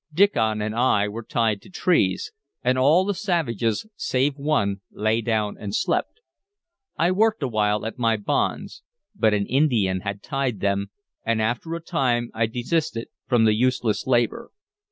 Diccon and I were tied to trees, and all the savages save one lay down and slept. I worked awhile at my bonds; but an Indian had tied them, and after a time I desisted from the useless labor.